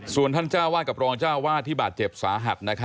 ส่วนท่านเจ้าวาดกับรองเจ้าวาดที่บาดเจ็บสาหัส